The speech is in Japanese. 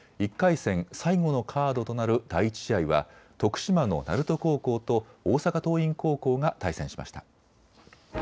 １回戦最後のカードとなる第１試合は徳島の鳴門高校と大阪桐蔭高校が対戦しました。